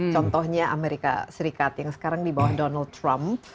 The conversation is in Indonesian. contohnya amerika serikat yang sekarang di bawah donald trump